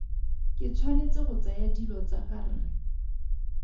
Ke tshwanetse go tsaya dilo tsa ga rre.